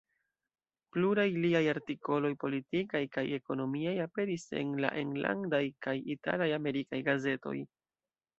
Pluraj liaj artikoloj politikaj kaj ekonomiaj aperis en la enlandaj kaj italaj, amerikaj gazetoj.